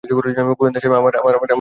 গোয়েন্দা সাহেব, আমার হিসেবের বইটা কোথায়?